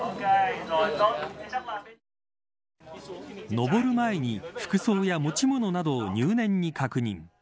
登る前に服装や持ち物などを入念に確認。